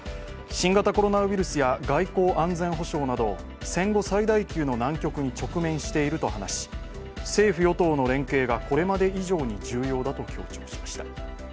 新型コロナウイルスや外交・安全保障など戦後最大級の難局に直面していると話し政府・与党の連携がこれまで以上に重要だと強調しました。